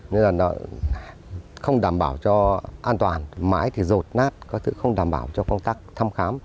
nên là nó không đảm bảo cho an toàn mãi thì rột nát có không đảm bảo cho công tác thăm khám